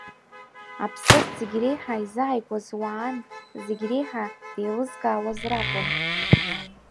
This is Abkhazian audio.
Аԥсырҭ зегь реиҳа изааигәаз уаан, зегь реиҳа деилызкаауаз ракәын.